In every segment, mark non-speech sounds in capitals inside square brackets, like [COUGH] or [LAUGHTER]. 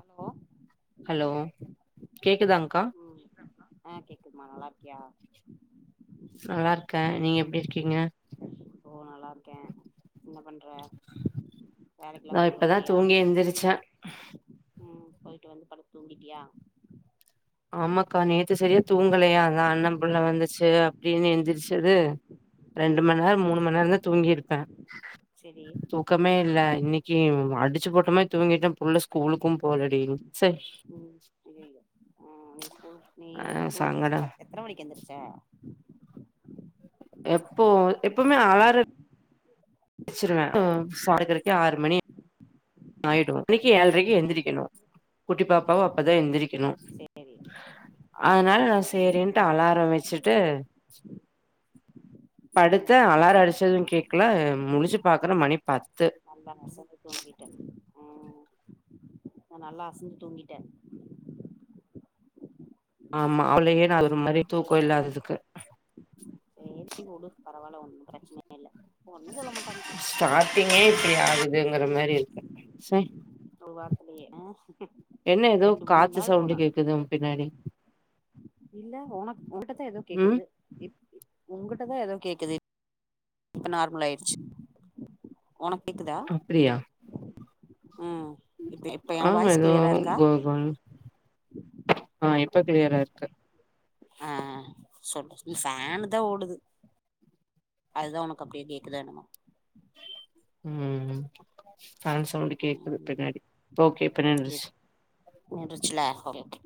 Hello hello கேக்குதாங் அ கேக்குதுமா நல்லார் க்யா நல்லார்க்கே நீங்க எப்டி இருக்கீங்க ஒ நல்லார்க்கே என்ன பண்ற வேலைக்குலா நா போய்ட்டு இப்பதா வன்டியா தூங்கி எந்திரிச்சே ம் போய்ட்டு வந்து படுத் தூங்கிட்டியா ஆமக்கா நே த்து சரியா தூங்கலையா அதா அண்ண புள்ள வந்துச்சு அப்டினு எந்துர்ச்சது ரெண்டு ம் மண் நேரம் மூணு மண் நேரம் தா தூங்கிருப்பே செரி தூக்கமே இல்ல இன்னிக் [UNINTELLIGIBLE] அடுச்சு போட்ட மாரி தூங்கிட்டே புள்ள ஸ்கூலுக்கு போலடி சை [INAUDIBLE] ம் நீ ஸ்கூலு நீ ஆ தூங்கிஸ் சங்கடோ பத் எத்ன மணிக்கு எந்திரிச்ச எப்போ எப்பவுமே அலார வச்சிருவே [UNINTELLIGIBLE] ஆறு மணி ஆயிடு அன்னக்கி ஏழ்ரெக்கி ம் எந்திரிக்குணு குட்டி பாப்பாவு அப்பதா எந்திரிக்குணு சேரி அனால நா ஆ ஆ சேரின்ட்டு அலார வெச்சிட்டு ம் படுத்தே அலார அடிச்சது கேக்ல முழச்சிப் பாக்குற மணி பத்து நல்லா அசந்து தூங்கிட்டே உம் நா நல்லா அசந்து தூங்கிட்டே ஆம்மா [UNINTELLIGIBLE] நா ஒரு மாரி தூக்க இல்லாததுக்கு சரி உடு பரவால்ல ஒண்ணு பிரச்சனே இல்ல ஒண்ணு சொல்ல மாட்டாங்க டீங்க இப்டி ஆகுதுங்கற மாரி இருக்க செ ஒரு வாரத்துலயே ஆ என்ன எதோ ரெண்டு மூணு காத்து நாள் சவுண்டு போனா கேக்குது ஒம் பின்னாடி இல்ல ஒனக் ஒன்ட்டதா எதோ ம் கேக்குது ஒங்கிட்டதா எதோ கேக் குது இப்ப நார்மலாயிடுச் ஒனக் கேக்குதா ம் இப்ப இப்ப என் ஆம்மா வாய்ஸ் எதோ கிளியரா இருக்கா [UNINTELLIGIBLE] ஆஹ் இப்ப கிளியரா இருக்கு ஆஹ் சொல்லு சொல் ஃபேனு தா ஓடுது அதுதா ஒனக் அப்டியே கேக்குதோ எண்ணமோ உம் ஃபேன் சவுண்டு கேக்குது ம் பின்னாடி ஓகே பின்னாட்ரிஸ்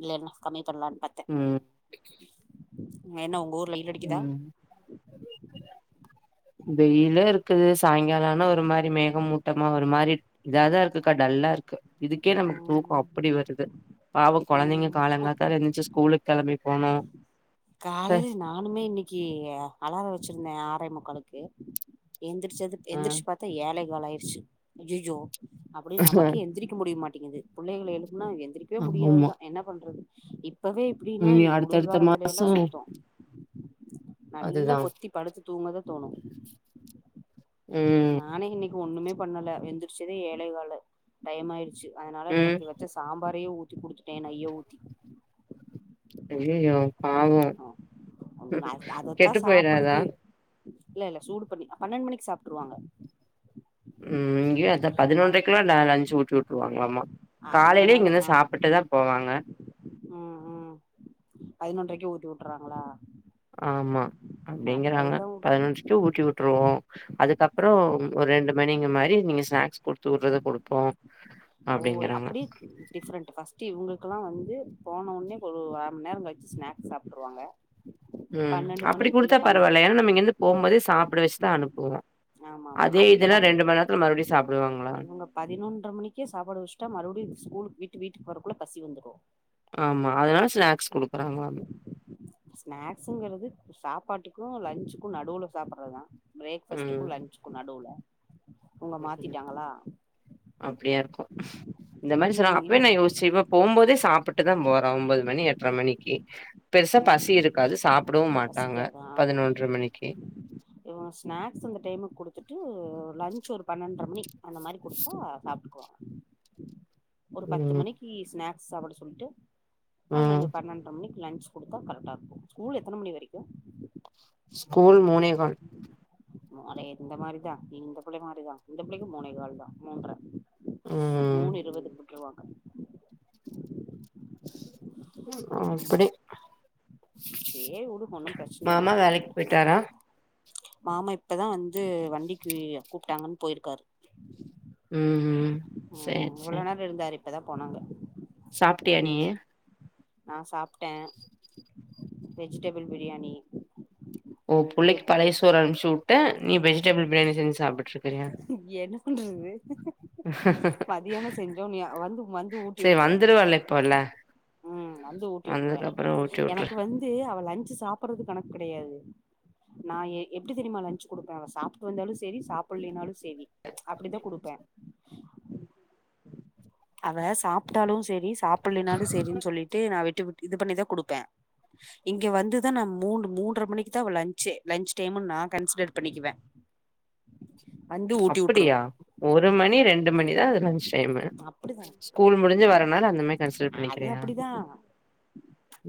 இல்லேனா கம்மிப் பண்லான் பாத்தே என்ன ஒங்கூர் வெய்லடிக்குதா ம் வெயிலு இருக்குது சாங்கால ஆனா ஒரு மாரி மேகமூட்டமா ஒரு மாரி இதாதா இருக்குக்கா டல்லா இருக்கு இதுக்கே நமக்கு தூக்க ம் அப்புடி வருது பாவ கொழந்தங்க ம் காலங்காத்தால எந்திரிச்சு ஸ்கூலுக் கெளம்பி போனு ச காலேல நானுமே இன்னெக்கி அலார வச்சிருந்தே ஆறே முக்காளுக்கு எந்திர்ச்சது ஆ எந்திரிச் பாத்தா ஏழைக் காலாய்ச்சு ஐய்யய்யோ அப்டின் நமக்கே எந்திரிக்க முடிய்மாட் டிங்குது புள்ளேகள எளுப் புனா எந்திரிக்கவே ஆமா முடியாதுதா என்னா பண்றது இப் பவே இப்டின்னா இனி அடுத்தடுத்த குளுர்காலத் துலேலா மாசோ சுத்தோ நல்லா அதுதா பொத்தி படுத்து தூங்கதா தோணு உம் நானே இன்னைக்கு ஒண்ணுமே பண்ணல வெந்தருச்சதே ஏழை கால டையம் ஆயிடுச்சு அதனால ம் நேத்து வச்ச சாம்பாரையு [UNINTELLIGIBLE] குடுத்துட்டே நறிய ஊத்தி அய்யயோ பாவோ அதத்தா கெட்டு போய்ராதா சாப்புடுது இல்ல இல்ல சூடு பண்ணி பன்னெண்ட் மணிக்கு சாப்ட்டுருவாங்க உம் இங்கயு அதா அது பதினொன்ரைக்குள்ள ல லன்ச்சு ஊட்டி உட்ருவாங்களாமா காலைலே அதனால இங்கிர்ந்து சாப்பிட்டுதா போவாங்க உம் உம் பதினொன்ரைக்கே ஊட்டி உட்டறாங்களா ஆமா அப்டிங்கறாங்க [UNINTELLIGIBLE] ஊட்டி உட்ருவோ அதுக்கப்பறோ ஒரு ரெண்டு மணிங்கற மாரி நீங்க ஸ்நாக்ஸ் குடுத்து உட்றத குடுப்போ ஓ அப்படியே டிஃப்ரெண்ட்டு ஃபஸ்ட்டு இவங்கள்க்கெல்லா வந்து போன உட்னே ஒரு அர மண் நேரங்கழிச்சு ஸ்நாக்ஸ் சாப்ட்ருவாங்க உம் பன்னெண்டு அப்டி மணி இல்ல குடுத்தா பண்ண பரவால்ல ஏனா நம்ம இங்கிர்ந்து போம்போதே சாப்ட வெச் தா அனுப் ஆமா ஆமா அது தா கரெக்ட்டு நேரத்துல மறுபடியும் சாப்பிடுவாங்களா? இவங்க பதினொன்ர மணிக்கே சாப்பட வெச்ட்டா மறுபடி ஸ்கூலுக்கு வீட் டு வீட்டுக் போறக்குள்ள பசி வந்துரு ஆமா அதுனால ஸ்நாக்ஸ் குடுக்கறாங்களாமா ஸ்நாக்ஸுங்கறது சாப்பாட்டுக்கு லன்சுக்கு நடுவுல சாப்பட்றது தா பிரேக் ஃபஸ்ட்டுக்கு ம். லன்ச்சுக்கு நடுவுல இவங்க மாத்திட்டாங்களா அப்டியா இருக்கு உஹ இந்த மாரி சொன்னாங் ம் அப்வே இவ நா யோசிச்சே இவ போம்போதே சாப்பிட்டு தா போறோ ஒம்போது மணி எட்டர மணிக்கு பெருசா பசி ம் இருக்காது சாப்டவு மாட்டாங்க பசிக்காதா ஆமா பதினொன்ர மணிக்கு டு லன்ச் ஒரு பன்னண்ர மணி அந்த மாரி குடுத்தா சாப்ட்டுக்குவாங் ஒரு பத்து ம். மணிக்கு ஸ்நாக் ஸ் சாப்ட சொல்ட்டு ம். பன்னண்டு பன்னண்ர மணி லன்ச்சு குடுத்தா கரெட்டா இருக்கு ஸ்கூல் எத்தன மணி வரைக்கு ஸ்கூல் மூணே கால் [UNINTELLIGIBLE] இந்த மாரி தா இந்த பிள்ள மாரி தா இந்த பிள்ளைக்கு மூணே கால் தா மூன்ர ம் மூணு இருவதுக் விட்ருவாங்க ம் அப்படி சேரி உடு ஒன்னு பிரச்சன இல்ல மாமா வேலைக் போயிட்டாரா மாமா இப்ப தா வந்து வண்டிக்கு கூப்ட்டாங்கன் போயிருக்காரு உம் உம் உஹம் இவ்ளோ நேரம் இருந்தாரு இப்பதா போனாங்க சாப்பிட்டியா நீ நா சாப்பிட்டே வெஜிடபிள் பிரியாணி ஓ பிள்ளைக்கு எக்கு பழைய சோர அனுச்சுட்ட நீ வெஜிடேபிள் பிரியாணி செஞ்ச சாப் என்ன கொன்றது மதியானம் செஞ்சோ நீ வந்து வந்து ஊட்டி சேரி விட்டுருவே வந்துருவால்ல இப்போல்ல உஹம் வந்து ஊட்டி விட்ருவே வந்ததுக்கப்றோ ஊட்டி வுட்ரு எனக்கு வந்து அவ லஞ்சு சாப்ப பிட்றது கணக்கு கிடையாது நா எப்படி தெரியுமா லஞ்ச் கொடுப்பேன் சாப்பிட்டு வந்தாலும் சரி சாப்பிடலைலும் சேரி அப்படிதா கொடுப்பே அவ சாப்பிட்டாலும் சரி சாப்ப சாப்பிள்ளனாலு சேரின்னு சொல்லிட்டு நா விட்டு விட்டு இது பண்ணிதான் குடுப்பேன் இங்க வந்துதா நா மூ மூன்ற மணிக்கு தா லன்ச்சே லன்ச் டைம் நான் கன்சிடர் பண்ணிக்குவே வந்து ஊட்டி வுட்ருவே அப்படியா ஒரு மணி ரெண்டு மணி னா அது லன்ச் டைமு அப்படிதா ஸ்கூல் முடிஞ்சு வரனால அந்த மாரி கன்சிடர் அது பண்ணிக்கிறியா அப்படிதா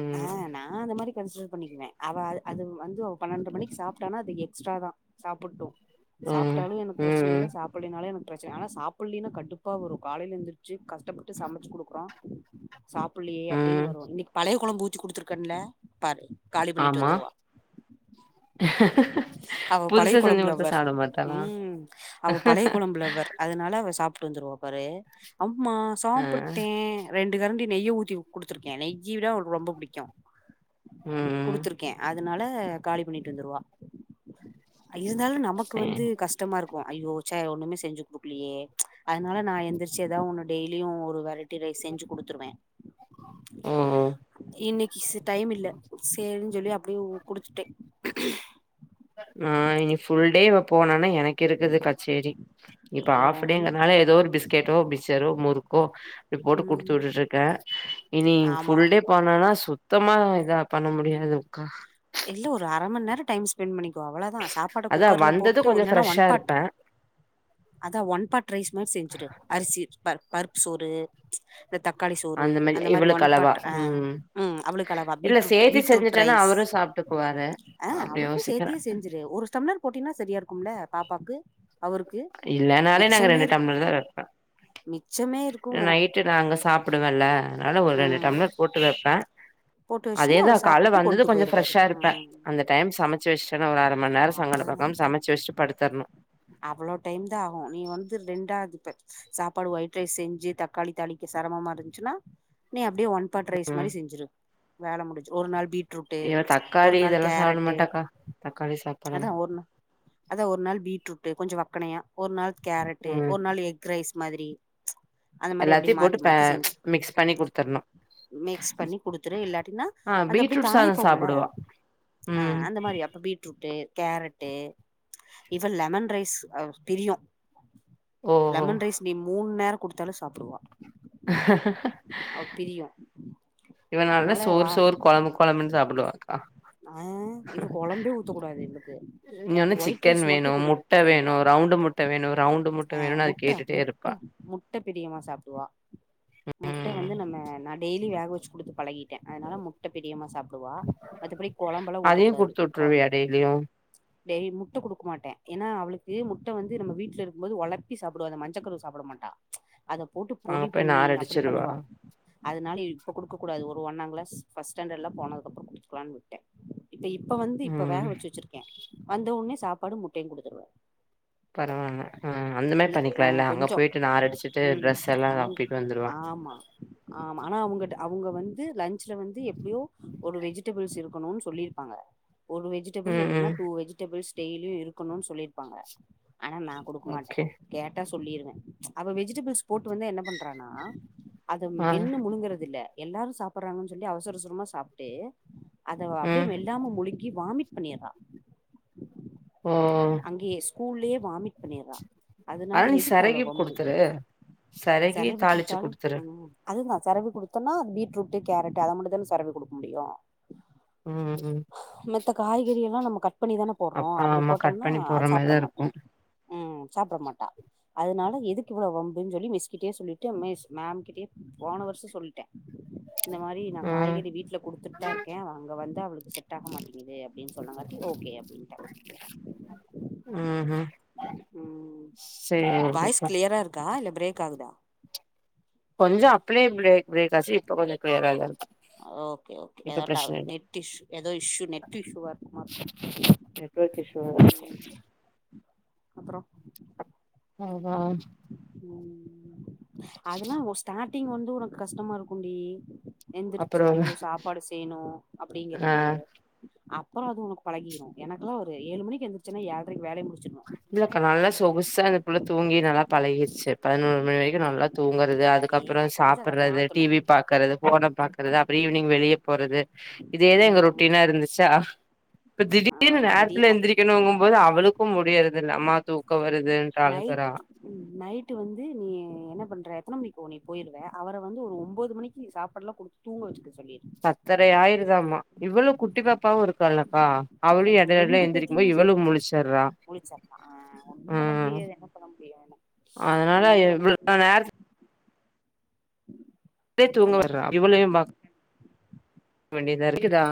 ம் ஆஹ்ன் நா அந்த மாதிரி கன்சிடர் பண்ணிக்கவே அவ அது வந்து பன்னெண்டு மணிக்கு சாப்பிட்டனா அது எக்ஸ்ட்ரா தா சாப்பட்டும் ம் சாப்ட்டாலும் எனக்கு ம் ப்ரச்சன இல்ல ம் சாப்பல்லைனாலு எனக் பிரச்சன் ஆனா சாப்புல்லின்னா கடுப்பா வரும் காலைய்ல எந்திர்ச்சு கஷ்டப்பட்டு சமச்சு குடுக்குறோம் சாப் புள்ளியே அப்டின்னு ம் வரும் இன்னிக்கு பழைய கொழம்பு ஊத்தி ச்சி குடுத்துருக்கன்ல பாரு காலி பண்ணிட்டு ஆமா வந்துருவா அவ பழைய புதுசா செஞ்சு கொழம்பு குடுத்தா லவ்வர் சாப்ட மாட்டாளா ம் அவ பழைய கொழம்பு லவ்வர் அதனால அவ சாப் ட்டு வந்துருவா பாரு மா ஆ சாப்புட்டேன் ரெண்டு கரண்டி நெய்ய ஊத்தி குடுத்துருக்கேன் நெய்யிவிட அவ்ளுக்கு ரொம்ப புடிக்கும் ம் ம் குடுத்துருக்கேன் அத் அதனால காலி பண்ணிட்டு வந்துருவா இருந்தாலும் நமக்கு வந்து சேர் கஷ்டமா இருக்கும் ஐயோச்சா ஒண்ணமே செஞ்சு குடுக்கலையே அதனால நா எந்திரிச்சு ஏதாவ ஒன்னு டெய்லியும் ஒரு வெரைட்டி ரை செஞ்சு குடுத்துருவே ஓ ஓ இனக் டைம் இல்ல சேரின்னு சொல்லி அப்ப அப்படிய கொடுத்துடே ஆஹ் இனி புல் டே போனானா எனக்கு இருக்குது கச்சேரி இப்ப அவ ஹாஃப் ஒன்னு டேனால ஏதோ ஒரு பிஸ்கெட்டோ பி்சரோ முறுக்கோ இப்ப போட்டு குடுத்து ம் விட்டு இருக்கே இனி ஆமா ஃபுல் ஆமா டே போனனா சுத்தமா இதா பண்ண முடியாது உக்கா இல்ல ஒரு அர ம நேரம் டைம் ஸ்பெண்ட் பண்ணிக்க அவ்வளோதா சாப்பாடு அதா குக்கர்ல வந்தது போட்டு கொஞ்சோ இல்லைன்னா ஒன் ஃப்ரெஷ்ஷா பாட் இருப்பே அத ஒன் பாட் ரைஸ் மாதிரி செஞ்சுட்டு அரிசி ப பருப்பு சோறு இந்த தக்காளி சோறு மாரி அந்த மாதிரி இவளுக்கு ஒன் அளவா பட் ம் ம் அவ்வளுக்கு அளவா இல்ல பீட்ரூட் சேத்தி பீட்ரூட் செஞ்சுட்டேன்னா ரைஸ் அவரு சாப்ட்டுக்குவாரு அஹ் அப்டி அவருக்கும் யோசிக்கிறே சேத்தியே செஞ்சுரு ஒரு ஸ்டம்ளர் போட்டீனா சரியா இருக்கும்ல பாப்பாக்கு அவருக்கு இல்லனாலே நாங்க மிச்சமே ரெண்டு இருக்கு டம்ளர் தா வப்பே மிச்சமே இருக்குங்கறே நைட்டு நாங்க சாப்புடுவேன்ல அதனால ஒரு ரெண்டு ம் டம்ளர் போட்டு வப்பே போட்டு வச்சுன்னா அதேதா அவரு காலைல சாப்புட்டு கொண்டு வந்தது கொஞ்சோ போயிருவாரு ஃப்ரெஷ்ஷா இருப்பே ம் அந்த டைம் சமைச்சு வச் என்ன ஒரு அர மணி நேர சங்கட அவ்வளதா பாக்க சமைச்சு வச்சட்டு படுத்தறணு டைம்தா ஆகும் நீ வந்து ரெண்டாவது பெத் சாப்பாடு ஒயிட் ரைஸ் செஞ்சி தக்காளி தாளிக்க சிரமமா இருந்துச்சுன்னா நீ அப் அப்டியே ஒன் பாட் ரைஸ் மாரி ம் செஞ்சிருவ வேல முடிஞ்சு ஒரு நாள் பீட் இவ தக்காளி இதெல்லா சாப்ட மாட்டாக்கா தக்காளி அதா சாப்பாடெல்லா ஒரு நா அதா ஒரு நாள் பீட் ரூட்டு கொஞ்சோ வக்கனையா ஒரு நாள் கேரட்டு ம் ஒரு நாள் எக் ரைஸ் மாதிரி அந்த மாரி அப்டியே எல்லாத்தையு போட்டு மாத்தி பே மாத்தி செஞ்சு மிக்ஸ் பண்ணி குடுத்தரணு மிக்ஸ் பண்ணி குடுத்துரு இல்லாட்டினா ஆ அந்த அப்டியே பீட்ரூட் சாதோ தாளிப்போமுல சாப்டுவா ஆ ம் அந்த மாரி அப் ரூட்டு கேரட்டு இவ லெமன் ரைஸ் அது ஒரு பிரியம் ஓ ஓ லெமன் ரைஸ் நீ மூண் நேர குடுத்தாலு சாப்புடுவா இவ நல்லா அதனால சோறு வா சோறு கொழம்பு கொழம்புன்னு சாப்புடுவாக்கா ஆ இவ கொழம்பே ஊத்தக்கூடாது இவளுக்கு எனக்கு இன்னொன்னு ஒயிட் சிக்கன் ரைஸ் மட்டு வேணு கொடு முட்ட வேணு அப்டிம்பா ரவுண்டு முட்ட வேணு ரவுண்டு முட்ட ஆ வேணுன்னு அது முட்ட கேட்டுட்டே முட்ட இருப்பா முட்ட பிரியமா சாப்டுவா முட்ட ம் வந்து நம்ம நா டெய்லி வே வச்சு குடுத்து பழகி ட்ட அதனால முட்ட பிரியமா சாப்டுவா மத்தப்படி கொழம்பெல்லா அதையு ஊத்தக்கூடாது குடுத்து கொ விட்டுருவியா டெய்லியு டெய்லி முட்ட குடுக்க மாட்டே ஏன்னா அவளுக்கு முட்ட வந்து நம்ம வீட்ல இருக்கும்போது ஒளப்பி சாப்டுவா அந்த மஞ்ச கருவு சாப்ட மாட்டா அத போட்டு அங்க பொடி போய் பண்ணி நார் அப்டி அடிச்சிருவா பண்ணுவா அதனால இப்ப குடுக்கூடாது ஒரு ஒன்னாங் கிளாஸ் ஃபஸ்ட் ஸ்டாண்டட்லா போனதுக்கப்பறோ குடுக் க்கலான்னு விட்டே இப்ப இப்ப வந்து இப்ப வேக ம் வச்சு வச்சிருக்கே வந்தவொன்னே சாப்பாடு முட்டையு குடுத்துருவே பரவாயில்ல ஆ அந்த மாரி இல்ல அ பண்ணிக்கலால அங்க கொஞ்சோ போயிட்டு நாறடிச்சுட்டு ம் ட்ரெஸ்ஸெல்லா அங் அப்பிட்டு வந்துருவா ஆமா ஆமா ஆனா அவங்கட்ட அவங்க வந்து லன்ச்ல வந்து எப் டியு ஒரு வெஜிட் இருக்கணுன்னு சொல்லியிருப்பாங்க ஒரு வெஜிடேபிள் ம் இல்லன்னா ம் டூ வெஜடேபிள்ஸ் டெய்லியு இருக்கணும்னு சொல்லியிருப்பாங்க ஆனா நா கொடுக்க மாட்டே ஓகே கேட்ட சொல்லிருவே அவா வெஜிடபிள்ஸ் போட்டு வந்து என்ன பண்ணறனா அது ஆ மென்ன முழுங்கறத இல்ல எல்லாரு சாப்பிட்றாங்கன்னு சொல்லி அவசரசரம சாப்ட்டு அத அப்படியே ம் மெல்லாம முழுங்கி வாமிட் பண்ணிறா ஓ அங்கேயே ஸ்கூல்லயே வாமிட் பண்ணிறா அதனால ஆனா நீ எதுக்கு அவ்ள சரகி வம்பு குடுத்துரு சரகி செரவ் தாளிச்சு கொடுத்தாலு குடுத்துரு ம் அதுதான செரவி கொடுத்தோன்னா அது பீட்ரூட்டு கேரடட்டு அத மட்டும் தான செரவி கொடுக்க முடியும் உம் ம் மித்த காய்கறி எல்லா நம்ம கட் பண்ணி தான அப் போடுறோம் அப்படி ஆமா கட் போட்டோம்னா பண்ணி போட்ற சாப்பிட மாரிதா மாட்ட இருக்கு சாப்பிட மாட்ட அதனால எதுக்கு இவ்வளோ வம்பின்னு சொல்லி மிஸ்கிட்டயே சொல்லிட்டு மிஸ் மேம்கிட்டயே போன வருஷு சொல்லிட்ட இந்த மாதிரி நா ம் காய்கறி வீட்ல குடுத்துட்டு தா அங்க வந்து அவளுக்கு செட் ஆக மாட்டேங்குது சொன்னங்காட்டி ஓகே அ ம்ஹும் வாய்ஸ் சேரிக்கா கிளியரா இருக்க இல்ல பிரேக் ஆகுதா கொஞ்ச அப்படியே பிரேக் பிரேக் ஆச்சு இப்ப கொஞ்சம் கிளியர்ரா இல்ல ஓகே ஓகே ஏதோ டவ் நெட் இஸ் ஏதோ நெட் இஸ்சு வா இருக்குமா இருக்கு நெட்வொர்க் இஷ்யூ ம் அப்புறம் உம் ம் அதெல்லா ஸ்டார்டிங் வந்து உனக்கு கஷ்டமா இருக்கும் டி எந்தருச்சு அப்புறோ ஐயோ சாப்பாடு செய்யணும் ஆ அப்படிங்கறது அப்பற அது உனக்கு பழகிடும் எனக்குெல்ல ஒரு ஏழு மணிக்கு எந்திரச்சன்னன ஏழ்ரை வேலைய மு இல்லக்கா நல்ல ஷோகுசா அந்த புள்ள தூங்கி நல்லா பழகிட்ச்சு பதினோரு மணி வரைக்கு நல்லா தூங்க அதேதா அதுக்கப்பறம் கொஞ்சோ அத சாப்பிடறது டி மாத்தணு வி பாக்குறது போன பாக்குறது அப்புறம் ஈவினிங் வெளிய போறது இதே தா ம் எங்க ம் ரொட்டீனா இருந்துச்சா இப்ப திடீர்னு ஆமா நேரத்துல திடீர் அது எந்திரிக்கணுங்கும்போது அவளுக் முடியறது இல்ல அம்மா தூக்கம் வருதுன்ட்டு ஆழுகுறா நைட் ம் நைட்டு வந்து நீ என்ன பண்ற எத்தன மணிக்கு போயிரு அவர வந்து ஒரு ஒன்பது மணி நீ சாப்பாெல்லா கொடுத்து தூங்க வச்சு பத்தரை ஆயிருதாமா இவளு குட்டி பாப்பாவு இருக்கழக்க ரெண்டு பேத்தையுமே சொல்றே முழச்சான ஒண்ணும் பண்ண ம் முடியாது என்ன பண்ண முடியு அதனால ஒண்ணும் பண்ண இவ்ளோ முடியாது நேரத்துலயே அப்படியே தூங்க ஹலோ விர்ற இவ்வளையு பா சொல்லி தா இருக்கு கேக்குதா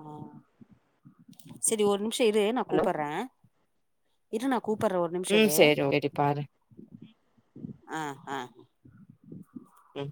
ஆஹ் சரி ஒரு நிமிஷம் இரு நான் கூப்பிடுறே இட்டு ந உம் சரி சரி பாரு ஆஹ் ஆஹ் உம்